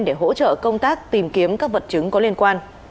để hỗ trợ công tác tìm kiếm các vật chứng có liên quan